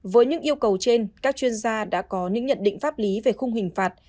với những yêu cầu trên các chuyên gia đã có những nhận định pháp lý về khung hình phạt